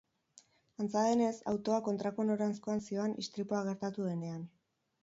Antza denez, autoa kontrako noranzkoan zihoan istripua gertatu denean.